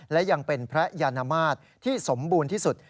และยังเป็นพระยานมาตรที่สมบูรณ์ที่สุด